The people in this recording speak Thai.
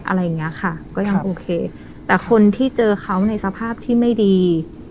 อะไรอย่างเงี้ยค่ะก็ยังโอเคแต่คนที่เจอเขาในสภาพที่ไม่ดี